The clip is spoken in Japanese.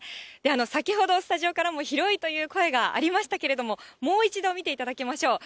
先ほど、スタジオからも広いという声がありましたけれども、もう一度見ていただきましょう。